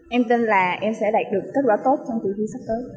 em tin là em sẽ đạt được kết quả tốt trong kỳ thi sắp tới